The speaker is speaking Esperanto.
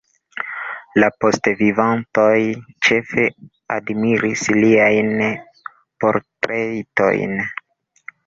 La poste vivantoj ĉefe admiris liajn portretojn.